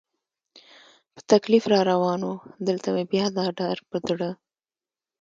په تکلیف را روان و، دلته مې بیا دا ډار په زړه.